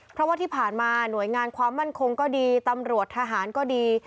เพราะว่าที่ผ่านมาหน่วยงานความมั่นคงก็ดีตำรวจทหารก็ดี